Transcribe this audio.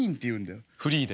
フリーで。